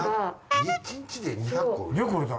１日で２００個売れた！